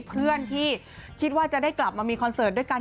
เพื่อนที่คิดว่าจะได้กลับมามีคอนเสิร์ตด้วยกัน